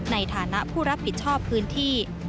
ในฐานะผู้รับผิดชอบพื้นที่